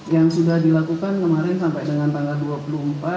yang sudah dilakukan kemarin sampai dengan tanggal dua puluh empat